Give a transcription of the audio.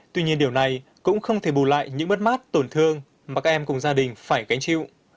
tuy nhiên điều này cũng không thể bù lại những mất mát tổn thương mà các em cùng gia đình phải gánh chịu